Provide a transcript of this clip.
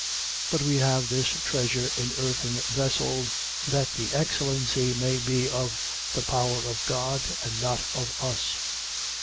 4:7. But we have this treasure in earthen vessels, that the excellency may be of the power of God and not of us.